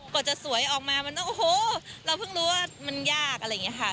กว่าจะสวยออกมานะเรอฟึงรู้ว่ามันยากอะไรอย่างเงี้ยค่ะ